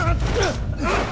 あっ！